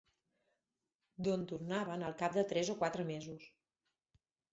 D'on tornaven al cap de tres o quatre mesos